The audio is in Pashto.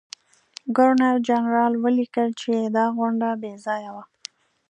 ګورنرجنرال ولیکل چې دا غونډه بې ځایه وه.